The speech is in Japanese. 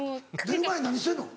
寝る前何してんの？